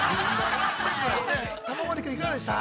玉森君、いかがでした？